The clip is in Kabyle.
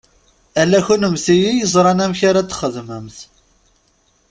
Ala kennemti i yeẓṛan amek ara ad txedmemt.